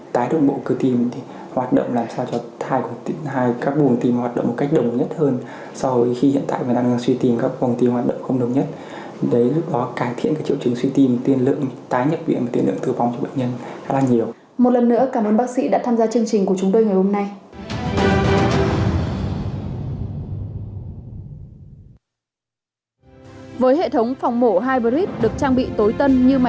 tái động bộ cơ tim thì hoạt động làm sao cho hai các vùng tim hoạt động một cách đồng nhất hơn so với khi hiện tại người ta đang suy tim